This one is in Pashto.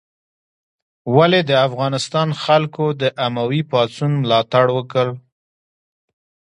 ولې د افغانستان خلکو د اموي پاڅون ملاتړ وکړ؟